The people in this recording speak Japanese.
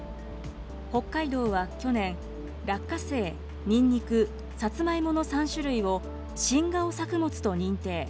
北海道は去年、落花生、にんにく、さつまいもの３種類を新顔作物と認定。